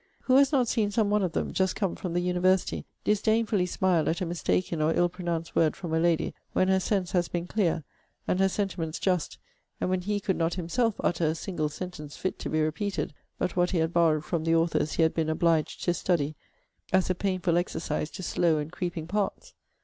Who has not seen some one of them, just come from the university, disdainfully smile at a mistaken or ill pronounced word from a lady, when her sense has been clear, and her sentiments just; and when he could not himself utter a single sentence fit to be repeated, but what he had borrowed from the authors he had been obliged to study, as a painful exercise to slow and creeping parts?